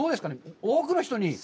多くの人に。